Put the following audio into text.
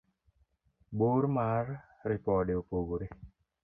bor mar ripode opogore